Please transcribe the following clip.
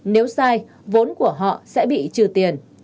nếu sai vốn của họ sẽ bị trừ tiền